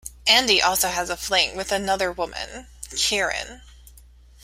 Andy also has a fling with another woman, Keiran.